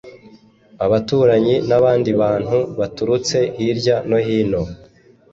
Abaturanyi n'abandi bantu baturutse hirya no hino